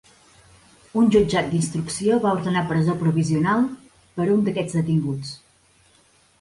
Un jutjat d’instrucció va ordenar presó provisional per a un d’aquests detinguts.